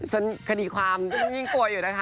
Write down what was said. คดีความยิ่งกลัวอยู่นะคะ